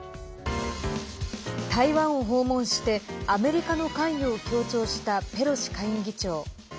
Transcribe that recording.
台湾を訪問してアメリカの関与を強調したペロシ下院議長。